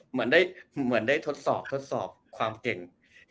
เหมือนได้ทดสอบความเก่ง